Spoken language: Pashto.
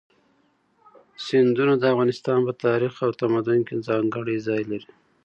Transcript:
سیندونه د افغانستان په تاریخ او تمدن کې ځانګړی ځای لري.